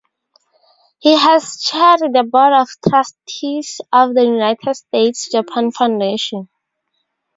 He has chaired the Board of Trustees of the United States-Japan Foundation.